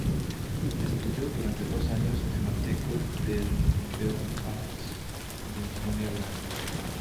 Estudió durante dos años en la École des Beaux Arts de Ginebra.